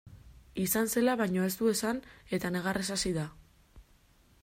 Izan zela baino ez du esan eta negarrez hasi da.